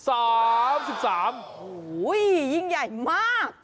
โอ้โหยิ่งใหญ่มาก